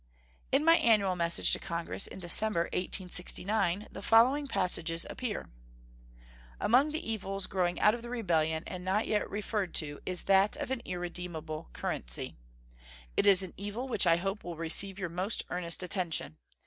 In my annual message to Congress in December, 1869, the following passages appear: Among the evils growing out of the rebellion, and not yet referred to, is that of an irredeemable currency. It is an evil which I hope will receive your most earnest attention.